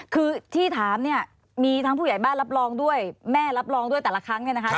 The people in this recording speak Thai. คือที่ถามเนี่ยมีทั้งผู้ใหญ่บ้านรับรองด้วยแม่รับรองด้วยแต่ละครั้งเนี่ยนะคะ